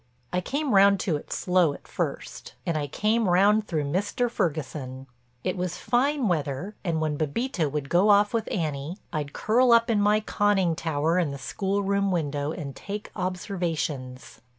I came round to it slow at first and I came round through Mr. Ferguson. It was fine weather and when Bébita would go off with Annie, I'd curl up in my conning tower in the school room window and take observations.